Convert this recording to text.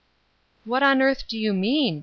" What on earth do you mean ?